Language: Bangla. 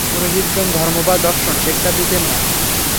পুরোহিতগণ ধর্ম বা দর্শন শিক্ষা দিতেন না।